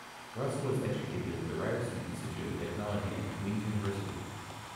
Russell was educated at the Ryerson Institute of Technology and Queen's University.